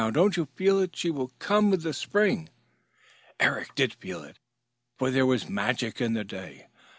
Don't you feel it? She will come with the spring!" Eric did feel it. For there was magic in the day.